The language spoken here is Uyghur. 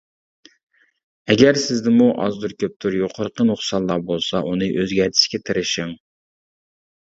ئەگەر سىزدىمۇ ئازدۇر-كۆپتۇر يۇقىرىقى نۇقسانلار بولسا ئۇنى ئۆزگەرتىشكە تىرىشىڭ.